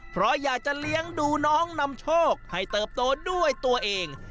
เพราะอยากจะเลี้ยงดูน้องนำโชคให้เติบโตด้วยตัวเอง